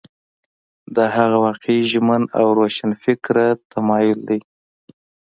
دا هغه واقعي ژمن او روښانفکره تمایل دی.